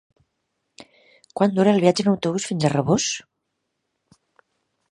Quant dura el viatge en autobús fins a Rabós?